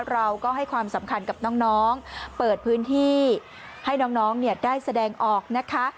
เราก็ให้ความสำคัญกับน้องเปิดพื้นที่ให้น้องได้แสดงออกนะคะ